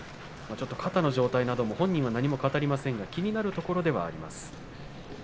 肩の状態なども本人は何も語りませんが気になる状態ではあります。